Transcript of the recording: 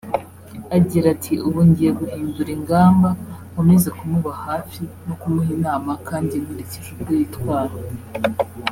Agira ati “Ubu ngiye guhindura ingamba nkomeze kumuba hafi no kumuha inama kandi nkurikije uko yitwara